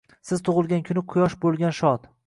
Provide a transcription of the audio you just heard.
Siz tug’ilgan kuni Quyosh bo’lgan shod.